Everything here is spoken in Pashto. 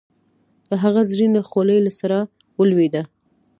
د هغه زرينه خولی له سره ولوېده.